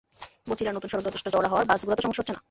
বছিলার নতুন সড়ক যথেষ্ট চওড়া হওয়ায় বাস ঘোরাতেও সমস্যা হচ্ছে না।